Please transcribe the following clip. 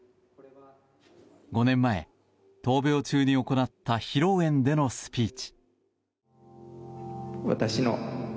５年前、闘病中に行った披露宴でのスピーチ。